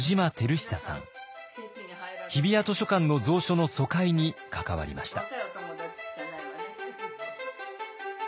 日比谷図書館の蔵書の疎開に関わりました。